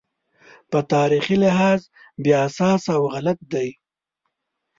په تاریخي لحاظ بې اساسه او غلط دی.